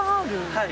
はい。